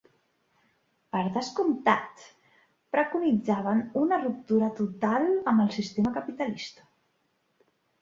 Per descomptat, preconitzaven una ruptura total amb el sistema capitalista.